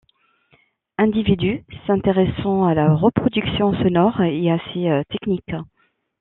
Individu s’intéressant à la reproduction sonore et à ses techniques.